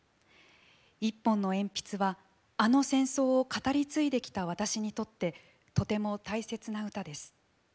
『一本の鉛筆』はあの戦争を語り継いできた私にとってとても大切な歌です。